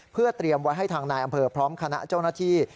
เพื่อเตรียมไว้ให้ทางนายอำเภอพร้อมคณะเจ้าหน้าที่